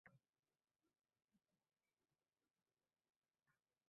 yugurmoqda, qisqirmoqda, stoldagi hamma narsaga chang solmoqda, tushirib yubormoqda